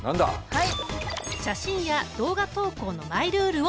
はい！